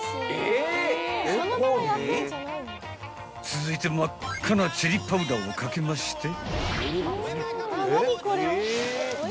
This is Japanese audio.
［続いて真っ赤なチリパウダーを掛けまして］